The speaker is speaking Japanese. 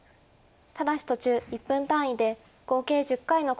ただし途中１分単位で合計１０回の考慮時間がございます。